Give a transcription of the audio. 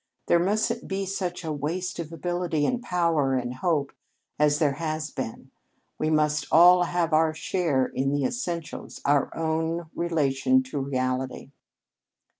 There mustn't be such a waste of ability and power and hope as there has been. We must all have our share in the essentials our own relation to reality."